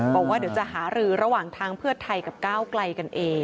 บอกว่าเดี๋ยวจะหารือระหว่างทางเพื่อไทยกับก้าวไกลกันเอง